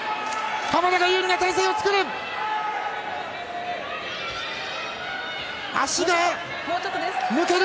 濱田が有利な体勢を作る。